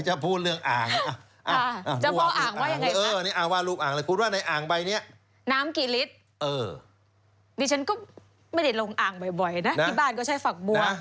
นี่ฉันก็ไม่ได้ลงอ่างบ่อยนะที่บ้านก็ใช้ฝักบัว